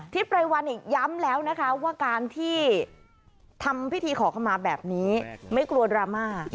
ไพรวัลอีกย้ำแล้วนะคะว่าการที่ทำพิธีขอเข้ามาแบบนี้ไม่กลัวดราม่า